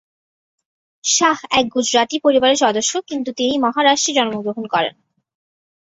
শাহ এক গুজরাটি পরিবারের সদস্য কিন্তু তিনি মহারাষ্ট্রে জন্মগ্রহণ করেন।